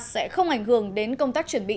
sẽ không ảnh hưởng đến công tác chuẩn bị